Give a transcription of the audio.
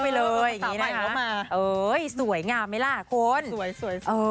เอออย่างนี้นะคะเอ้ยสวยงามไหมล่ะคนสวยสวยสวยเออ